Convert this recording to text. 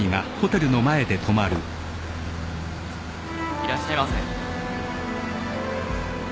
いらっしゃいませ。